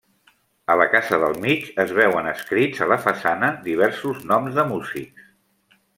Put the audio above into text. A la casa del mig es veuen escrits a la façana diversos noms de músics.